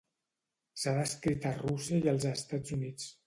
S'ha descrit a Rússia i als Estats Units.